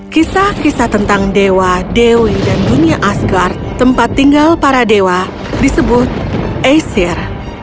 kisah kisah tentang dewa dewi dan dunia asgard tempat tinggal para dewa disebut esir